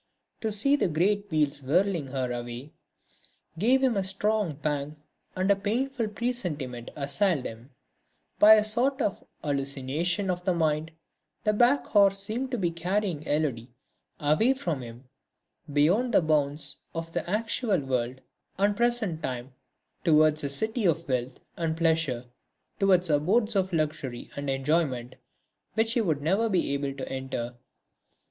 To see the great wheels whirling her away gave him a strange pang and a painful presentiment assailed him; by a sort of hallucination of the mind, the hack horse seemed to be carrying Élodie away from him beyond the bounds of the actual world and present time towards a city of wealth and pleasure, towards abodes of luxury and enjoyment, which he would never be able to enter.